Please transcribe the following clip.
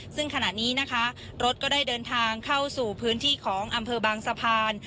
ซึ่งขณะนี้นะคะรถก็ได้เดินทางเข้าสู่พื้นที่ของอำเภอบางสะพาน